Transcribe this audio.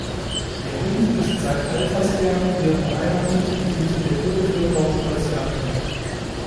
Der Hund ist seit alters her hier beheimatet und diente der Urbevölkerung als Jagdhund.